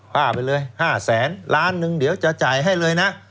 ค่าไปเลย๕แสนล้านนึงเดี๋ยวจะจ่ายให้เลยนะ